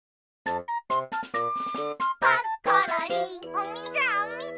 おみずおみず。